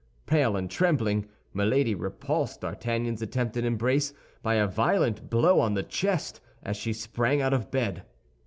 Pale and trembling, Milady repulsed D'Artagnan's attempted embrace by a violent blow on the chest, as she sprang out of bed.